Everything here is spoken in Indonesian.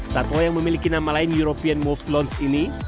satwa yang memiliki nama lain european move lounge ini